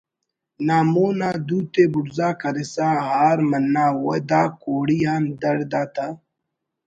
نا مون آ دوتے بڑزا کریسہ ہار منا و دا کوڑی آن دڑد آتا بری